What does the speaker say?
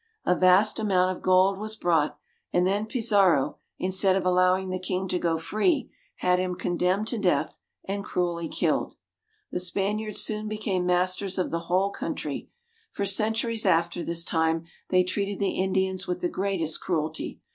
A vast amount of gold was brought, and then Pizarro, instead of allowing the king to go free, had him condemned to death and cruelly killed. The Spaniards soon became masters of the whole coun try. For centuries after this time they treated the Indians with the greatest cruelty.